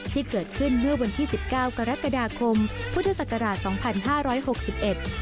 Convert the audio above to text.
ที่เกิดขึ้นเมื่อวันที่๑๙กรกฎาคมพุทธศักราช๒๕๖๑